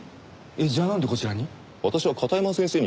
じゃあなんでこちらに？